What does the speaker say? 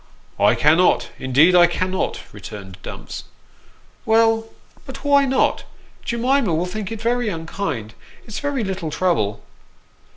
" I cannot, indeed I cannot," returned Dumps. " Well, but why not ? Jemima will think it very unkind. It's very little trouble."